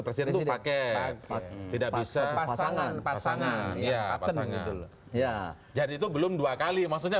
presiden pakai tidak bisa pasangan pasangan ya pasangan ya jadi itu belum dua kali maksudnya